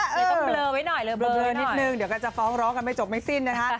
เลยต้องเบลอไว้หน่อยเบลอนิดนึงเดี๋ยวก็จะฟ้องร้องกันไม่จบไม่สิ้นนะคะ